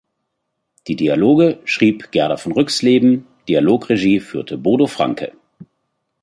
Die Dialoge schrieb Gerda von Rüxleben, Dialogregie führte Bodo Francke.